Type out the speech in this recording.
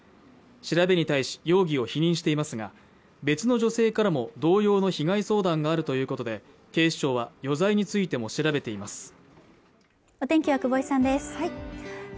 調べに対し容疑を否認していますが別の女性からも同様の被害相談があるということで警視庁は余罪についても調べています